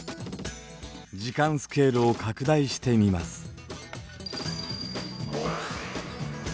時間スケールを拡大してみます。